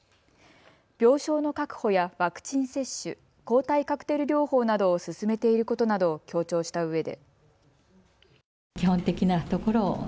病床の確保やワクチン接種、抗体カクテル療法などを進めていることなどを強調したうえで。